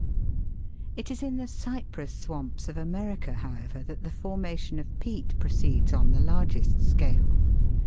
It is in the cypress swamps of America, however, that the formation of peat proceeds on the largest scale.